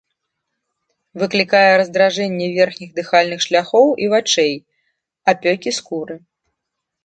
Выклікае раздражненне верхніх дыхальных шляхоў і вачэй, апёкі скуры.